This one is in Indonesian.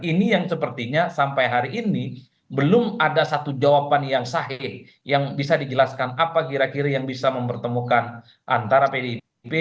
ini yang sepertinya sampai hari ini belum ada satu jawaban yang sahih yang bisa dijelaskan apa kira kira yang bisa mempertemukan antara pdip